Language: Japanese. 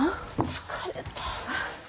疲れた。